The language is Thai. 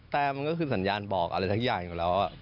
แต่มันก็คือสัญญาณบอกอะไรสักอย่างอยู่แล้ว